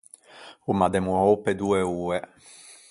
O m’à demoou pe doe oe.